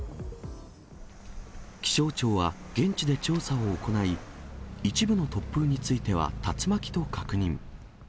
気象庁は現地で調査を行い、一部の突風については竜巻と確認。